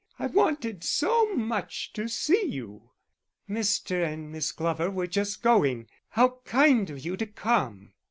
"I wanted so much to see you." "Mr. and Miss Glover were just going. How kind of you to come!"